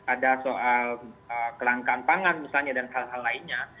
ada soal kelangkaan pangan misalnya dan hal hal lainnya